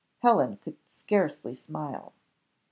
'" Helen could scarcely smile.